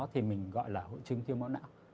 thì mình gọi là hội chứng thiếu máu não